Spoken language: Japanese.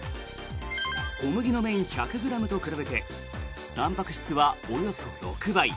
小麦の麺１００ｇと比べてたんぱく質はおよそ６倍。